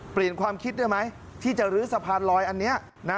เปลี่ยนความคิดได้ไหมที่จะลื้อสะพานลอยอันนี้นะ